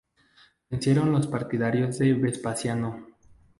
Vencieron los partidarios de Vespasiano.